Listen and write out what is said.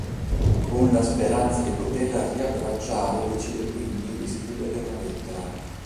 Con la speranza di poterla riabbracciare decide quindi di scriverle una lettera.